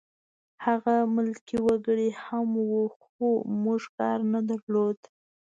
هلته ملکي وګړي هم وو خو موږ کار نه درلود